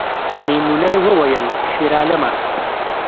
میمونۍ وویل شیرعالمه